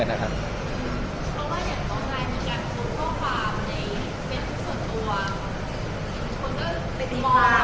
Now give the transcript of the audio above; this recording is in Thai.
อเรนนี่น้องนายมีการสมร่วงความในเฟสต์ส่วนตัว